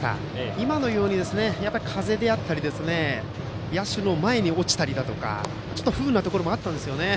今のように風であったり野手の前に落ちたりとか不運なところもあったんですよね。